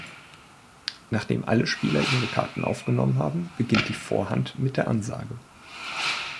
Nachdem alle Spieler ihre Karten aufgenommen haben, beginnt die Vorhand mit der Ansage.